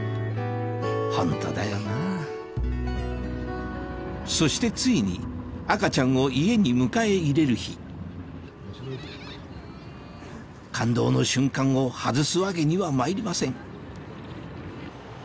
ホントだよなぁそしてついに赤ちゃんを家に迎え入れる日感動の瞬間を外すわけにはまいりません